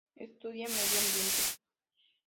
Estudia medio ambiente.